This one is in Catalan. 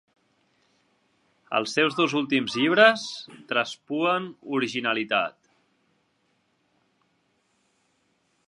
Els seus dos últims llibres traspuen originalitat.